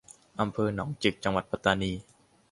อำเภอหนองจิก จังหวัดปัตตานี